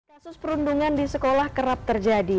kasus perundungan di sekolah kerap terjadi